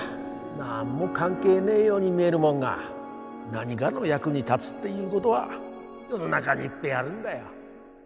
何も関係ねえように見えるもんが何がの役に立つっていうごどは世の中にいっぺえあるんだよ。